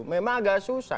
memang agak susah